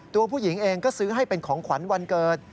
ตัวผู้หญิงเองก็ซื้อให้เป็นของขวัญวันเกิด